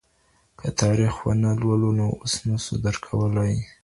که تاریخ ونه لولو نو اوس نه سو درک کولای.